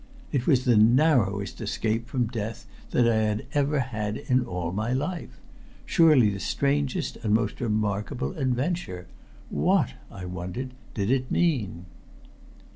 It was the narrowest escape from death that I had ever had in all my life surely the strangest and most remarkable adventure. What, I wondered, did it mean?